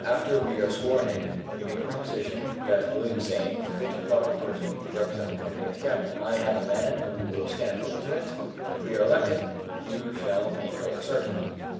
"After we are sworn in, you make a proposition that William Sain is a fit and proper person to represent the company as captain. I have a man who will stand for lieutenant, and if we are elected you shall be color sergeant."